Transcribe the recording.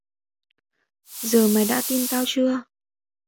Giờ mày đã tin tao chưa